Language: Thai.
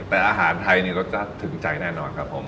แต่อาหารไทยนี่รสชาติถึงใจแน่นอนครับผม